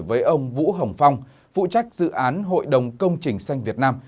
với ông vũ hồng phong phụ trách dự án hội đồng công trình xanh việt nam